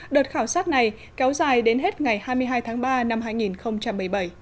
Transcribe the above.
đợt khảo sát này kéo dài đến hết ngày hai mươi hai tháng ba năm hai nghìn một mươi bảy